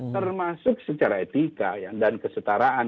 termasuk secara etika dan kesetaraan